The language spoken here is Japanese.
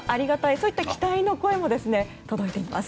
そういった期待の声も届いています。